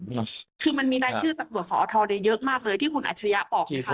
คือมันมีรายชื่อตำรวจสอทรได้เยอะมากเลยที่คุณอัจฉริยะบอกนะคะ